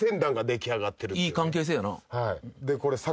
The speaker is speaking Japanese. いい関係性やな。